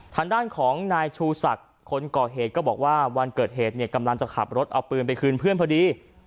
ทางด้านของนายชูศักดิ์คนก่อเหตุก็บอกว่าวันเกิดเหตุเนี่ยกำลังจะขับรถเอาปืนไปคืนเพื่อนพอดี